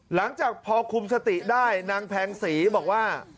หลังจากพอคุมสติได้นางแพงศรีบอกว่า